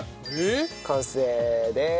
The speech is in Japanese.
完成でーす。